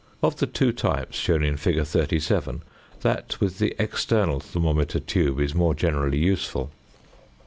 Of the two types shown in fig. 37, that with the external thermometer tube (A) is more generally useful.